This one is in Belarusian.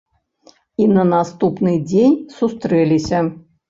І на наступны дзень сустрэліся.